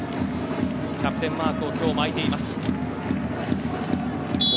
キャプテンマークを今日、巻いています。